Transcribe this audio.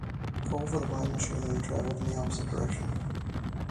Coal for the mine machinery travelled in the opposite direction.